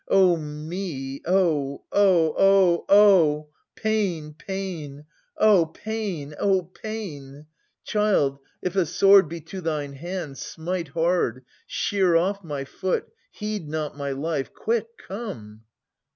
Oh me ! Oh ! Oh ! Oh ! Oh ! Pain ! pain ! Oh pain ! oh pain ! Child, if a sword be to thine hand, smite hard, Shear off my foot ! heed not my life ! Quick, come